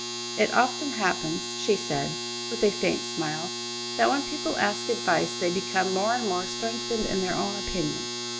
It often happens," she said, with a faint smile, "that when people ask advice they become more and more strengthened in their own opinion.